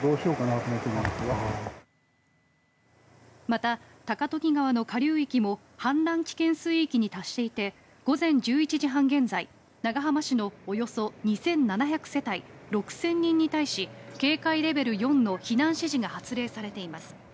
また、高時川の下流域も氾濫危険水位に達していて午前１１時半現在、長浜市のおよそ２７００世帯６０００人に対し警戒レベル４の避難指示が発令されています。